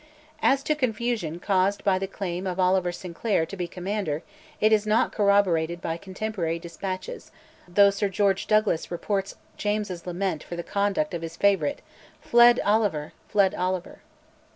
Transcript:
As to confusion caused by the claim of Oliver Sinclair to be commander, it is not corroborated by contemporary despatches, though Sir George Douglas reports James's lament for the conduct of his favourite, "Fled Oliver! fled Oliver!"